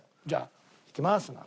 じゃあ「行きます」